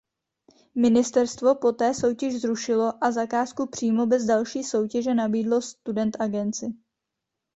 Ministerstvo poté soutěž zrušilo a zakázku přímo bez další soutěže nabídlo Student Agency.